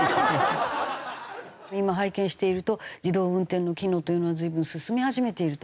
今拝見していると自動運転の機能というのは随分進み始めていると。